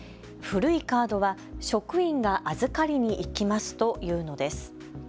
古いカードは職員が預かりに行きますというのです。